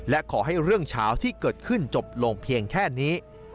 และขอให้เรื่องเช้าที่เกิดขึ้นจบลงเพียงแค่นี้